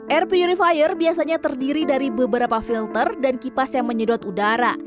air purifier biasanya terdiri dari beberapa filter dan kipas yang menyedot udara